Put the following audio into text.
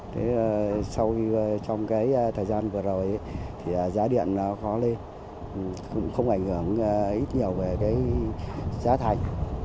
thế sau trong cái thời gian vừa rồi thì giá điện nó có lên cũng không ảnh hưởng ít nhiều về cái giá thành